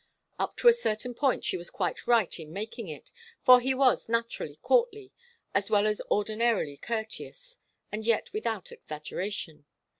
Up to a certain point she was quite right in making it, for he was naturally courtly, as well as ordinarily courteous, and yet without exaggeration.